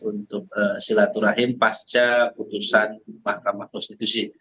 untuk silaturahim pasca putusan mahkamah konstitusi